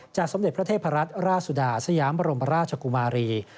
สมเด็จพระเทพรัตนราชสุดาสยามบรมราชกุมารี